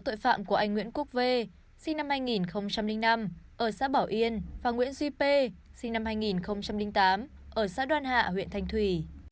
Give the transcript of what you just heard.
tội phạm của anh nguyễn quốc v năm hai nghìn năm ở xã bảo yên và nguyễn duy p sinh năm hai nghìn tám ở xã đoan hạ huyện thanh thủy